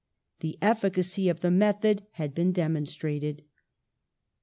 The efficacy of the method had been demonstrated.